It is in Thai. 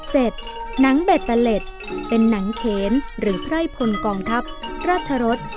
หนังเบตเตอร์เล็ตเป็นหนังเขนหรือไพร่พลกองทัพราชรส